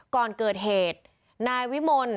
ก่อนเกิดเหตุนายวิมล